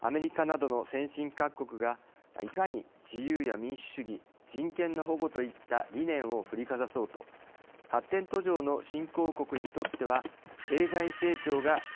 アメリカなどの先進各国がいかに自由や民主主義人権の保護といった理念を振りかざそうと発展途上の新興国にとっては経済成長が最優先。